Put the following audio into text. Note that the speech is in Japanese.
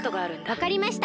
わかりました。